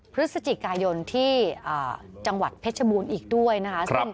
พฤศจิกายนที่จังหวัดเพชรบูรณ์อีกด้วยนะคะ